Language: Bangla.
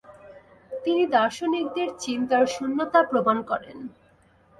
তিনি দার্শনিকদের চিন্তার শূন্যতা প্রমাণ করেন।